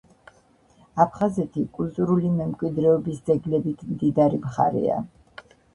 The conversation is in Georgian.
აფხაზეთი კულტურული მემკვიდრეობის ძეგლებით მდიდარი მხარეა.